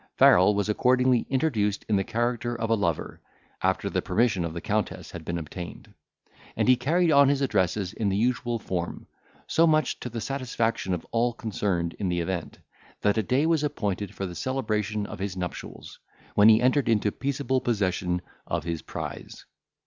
Farrel was accordingly introduced in the character of a lover, after the permission of the Countess had been obtained; and he carried on his addresses in the usual form, so much to the satisfaction of all concerned in the event, that a day was appointed for the celebration of his nuptials, when he entered into peaceable possession of his prize.